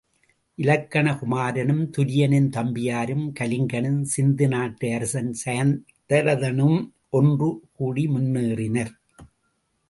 இலக்கண குமரனும், துரியனின் தம்பியரும், கலிங்கனும், சிந்து நாட்டு அரசன் சயத்ரதனும் ஒன்று கூடி முன்னேறினர்.